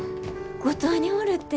五島におるって。